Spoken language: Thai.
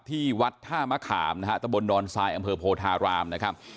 ที่วัดทะมาขาลนะครับตบลดรทรายอำเภอโพธารามนะครับ